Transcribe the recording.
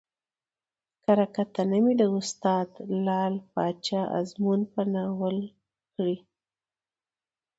کره کتنه مې د استاد لعل پاچا ازمون په ناول کړى